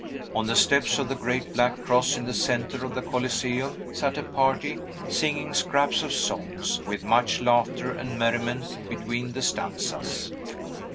On the steps of the great black cross in the centre of the Coliseum sat a party singing scraps of songs, with much laughter and merriment between the stanzas.